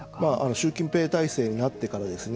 習近平体制になってからですね